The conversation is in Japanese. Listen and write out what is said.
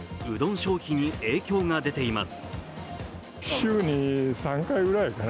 消費に影響が出ています。